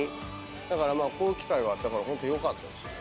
だからこういう機会があったからホントよかったですね。